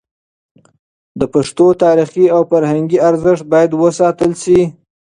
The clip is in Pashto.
د پښتو تاریخي او فرهنګي ارزښت باید وساتل شي.